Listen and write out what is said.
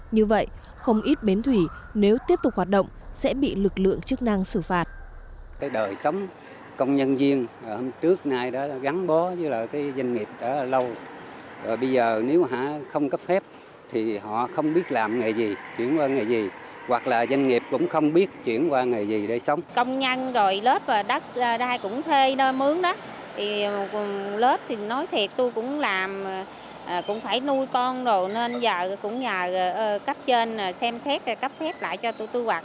như vậy không ít bến thủy nếu tiếp tục hoạt động sẽ bị lực lượng chức năng xử phạt